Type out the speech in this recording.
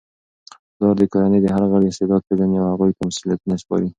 پلار د کورنی د هر غړي استعداد پیژني او هغوی ته مسؤلیتونه سپاري.